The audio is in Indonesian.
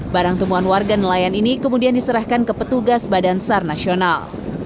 barang temuan warga nelayan ini kemudian diserahkan ke petugas badan sar nasional